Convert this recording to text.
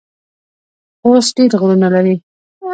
خوست ډیر غرونه لري